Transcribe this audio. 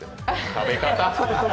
食べ方！